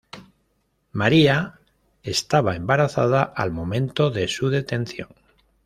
María estaba embarazada al momento de su detención.